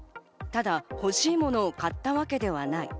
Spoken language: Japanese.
ただ欲しいものを買ったわけではない。